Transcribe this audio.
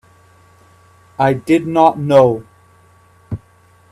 I did not know.